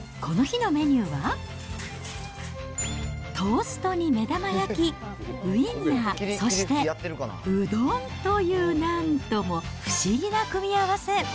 この日のメニューは、トーストに目玉焼き、ウインナー、そしてうどんという、なんとも不思議な組み合わせ。